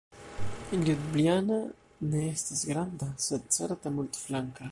Ljubljana ne estas granda, sed certe multflanka.